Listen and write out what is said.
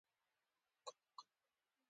ایا زه باید لاندې اوسم؟